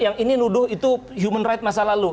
yang ini nuduh itu human right masa lalu